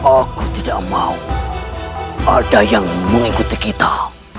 aku tidak mau ada yang mengikuti kita